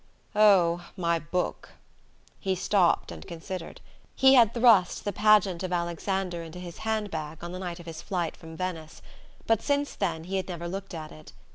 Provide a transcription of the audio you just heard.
"Oh, my book " He stopped and considered. He had thrust The Pageant of Alexander into his handbag on the night of his Bight from Venice; but since then he had never looked at it.